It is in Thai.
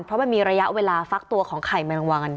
เพราะมันมีระยะเวลาฟักตัวของไข่แมลงวัน